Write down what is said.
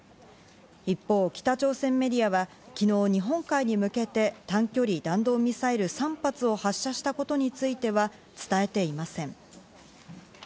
一方、北朝鮮メディアは昨日、日本海に向けて、短距離弾道ミサイル３発を発射したことについては伝えていません。